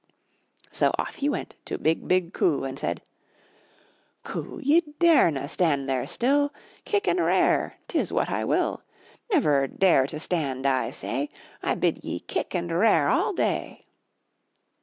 So off he went to BIG, BIG COO and said: C00, ye darena' stand there still! Kick and rair — 'tis what I will! Never dare to stand, I say, I bid ye kick and rair all day!"